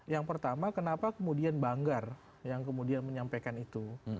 yang pertama kenapa kemudian banggar yang kemudian menyampaikan itu